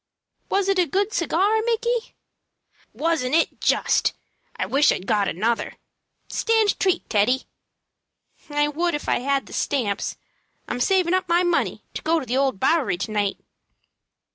"Was it a good cigar, Micky?" "Wasn't it, just! I wish I'd got another. Stand treat, Teddy." "I would if I had the stamps. I'm savin' up my money to go to the Old Bowery to night."